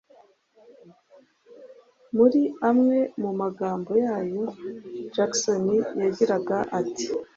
Muri amwe mu magambo yayo Jackson yagiraga ati